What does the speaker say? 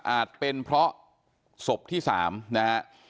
อาจเป็นเพราะศพที่๓นะฮะ